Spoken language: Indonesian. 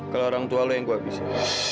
kalau orang tua lu yang gua bisa